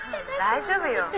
大丈夫よ。